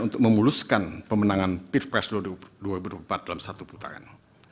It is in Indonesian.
untuk memuluskan pemenangan peer pressure dua ribu empat dalam satu putaran